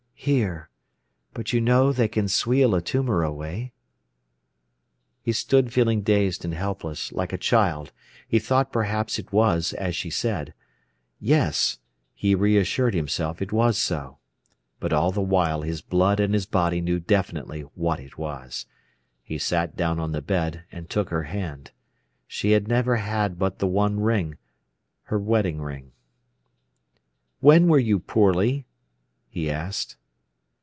"Here. But you know they can sweal a tumour away." He stood feeling dazed and helpless, like a child. He thought perhaps it was as she said. Yes; he reassured himself it was so. But all the while his blood and his body knew definitely what it was. He sat down on the bed, and took her hand. She had never had but the one ring—her wedding ring. "When were you poorly?" he asked.